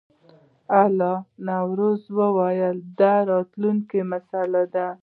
الله نواز وویل دا د راتلونکي مسله ده.